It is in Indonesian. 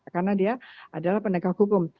karena dia adalah pendekah hukum